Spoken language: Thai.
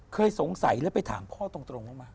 เคยสงสัยแล้วไปถามพ่อตรงลงมา